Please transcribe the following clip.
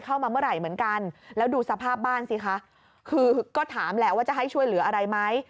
เข้ามาเมื่อไหร่เหมือนกันแล้วดูสภาพบ้านสิคะคือก็ถามแหละว่าจะให้ช่วยเหลืออะไรไหม